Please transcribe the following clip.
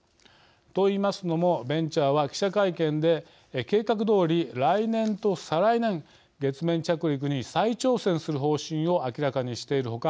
と言いますのもベンチャーは記者会見で計画どおり、来年と再来年月面着陸に再挑戦する方針を明らかにしている他